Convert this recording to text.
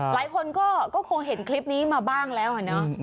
หลายคนก็คงเห็นคลิปนี้มาบ้างแล้ว